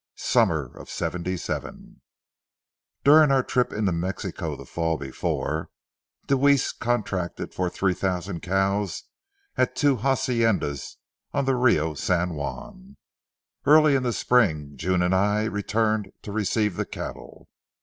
CHAPTER XII SUMMER OF '77 During our trip into Mexico the fall before, Deweese contracted for three thousand cows at two haciendas on the Rio San Juan. Early in the spring June and I returned to receive the cattle.